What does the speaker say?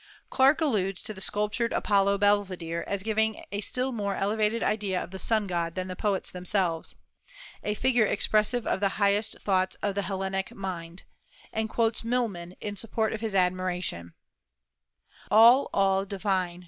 Clarke alludes to the sculptured Apollo Belvedere as giving a still more elevated idea of the sun god than the poets themselves, a figure expressive of the highest thoughts of the Hellenic mind, and quotes Milman in support of his admiration: "All, all divine!